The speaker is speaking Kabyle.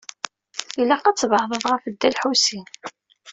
Ilaq ad tbeɛɛdeḍ ɣef Dda Lḥusin.